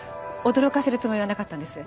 驚かせるつもりはなかったんです。